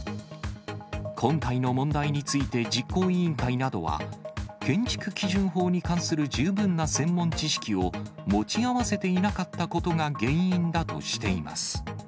今回の問題について実行委員会などは、建築基準法に関する十分な専門知識を持ち合わせていなかったことが原因だとしています。